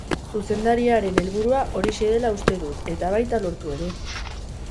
Zuzendariaren helburua horixe dela uste dut eta baita lortu ere!